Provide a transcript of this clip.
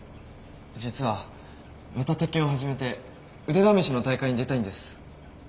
実はまた「鉄拳」を始めて腕試しの大会に出たいんです。